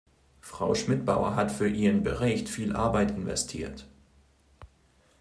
Frau Schmidbauer hat für ihren Bericht viel Arbeit investiert.